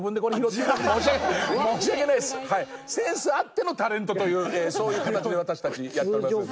センスあってのタレントというそういう形で私たちやっておりますので。